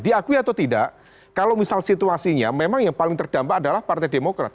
diakui atau tidak kalau misal situasinya memang yang paling terdampak adalah partai demokrat